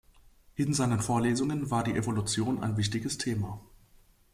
In seinen Vorlesungen war die Evolution ein wichtiges Thema.